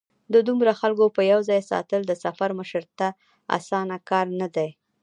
د دومره خلکو یو ځای ساتل د سفر مشر ته اسانه کار نه دی.